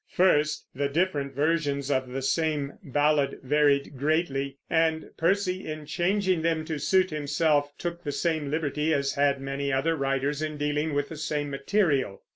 First, the different versions of the same ballad varied greatly; and Percy, in changing them to suit himself, took the same liberty as had many other writers in dealing with the same material.